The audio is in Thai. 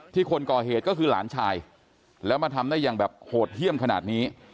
คนก่อเหตุก็คือหลานชายแล้วมาทำได้อย่างแบบโหดเยี่ยมขนาดนี้